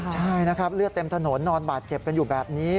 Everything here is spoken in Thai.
ใช่นะครับเลือดเต็มถนนนอนบาดเจ็บกันอยู่แบบนี้